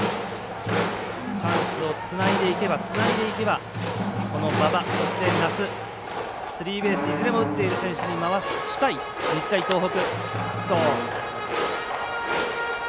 チャンスをつないでいけばこの馬場、そして奈須スリーベースをいずれも打っている選手に回したい日大東北。